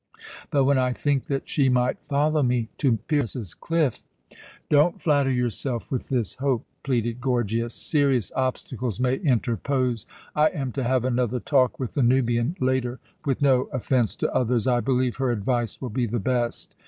But when I think that she might follow me to Pyrrhus's cliff " "Don't flatter yourself with this hope," pleaded Gorgias. "Serious obstacles may interpose. I am to have another talk with the Nubian later. With no offence to others, I believe her advice will be the best.